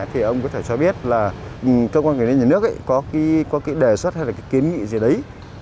thì ông có thể cho biết là cơ quan quản lý nhà nước ấy có cái đề xuất hay là cái kiến nghị gì đấy